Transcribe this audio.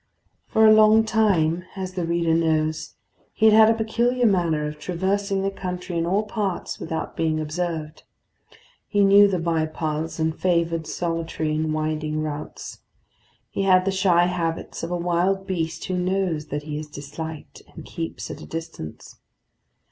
For a long time, as the reader knows, he had had a peculiar manner of traversing the country in all parts without being observed. He knew the bye paths, and favoured solitary and winding routes; he had the shy habits of a wild beast who knows that he is disliked, and keeps at a distance.